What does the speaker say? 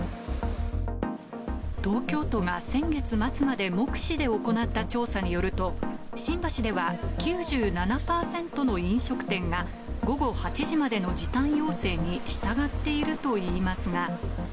東京都が先月末まで目視で行った調査によると、新橋では９７％の飲食店が、午後８時までの時短要請に従っているといいますが。